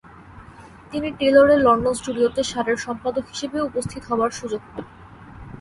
তিনি টেলরের লন্ডন স্টুডিওতে সারের সম্পাদক হিসেবে উপস্থিত হবার সুযোগ পান।